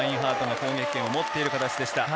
攻撃権を持っている形でした。